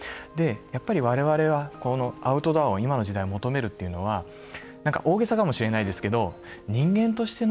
やっぱり我々はこのアウトドアを今の時代、求めるというのは大げさかもしれないですけど人間としての本能が求めている。